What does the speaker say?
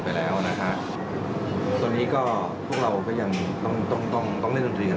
ไปแล้วนะฮะตอนนี้ก็พวกเราก็ยังต้องต้องต้องเล่นเรียน